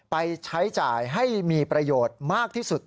ไปใช้จ่ายให้มีประโยชน์มากที่สุด